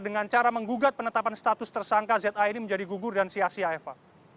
dengan cara menggugat penetapan status tersangka za ini menjadi gugur dan sia sia eva